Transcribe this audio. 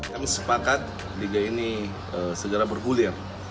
kami sepakat liga ini segera bergulir